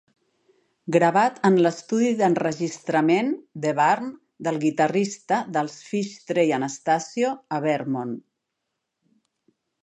Gravat en l'estudi d'enregistrament The Barn, del guitarrista dels Phish Trey Anastasio, a Vermont.